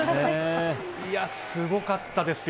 すごかったですよ。